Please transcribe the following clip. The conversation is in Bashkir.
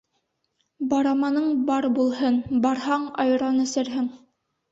Бараманың бар булһын, барһаң, айран эсерһең.